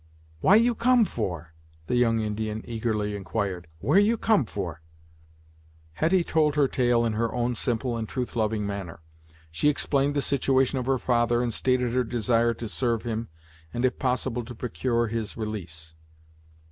"Why you come for?" the young Indian eagerly inquired "Where you come for?" Hetty told her tale in her own simple and truth loving manner. She explained the situation of her father, and stated her desire to serve him, and if possible to procure his release.